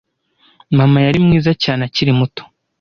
Mama yari mwiza cyane akiri muto.